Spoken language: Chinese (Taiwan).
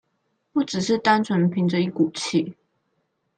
不只是單純憑著一股氣